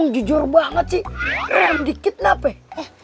jujur banget sih